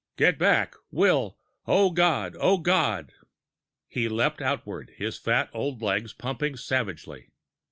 "Get back, Will. Oh, God, O God!" He leaped outwards, his fat old legs pumping savagely.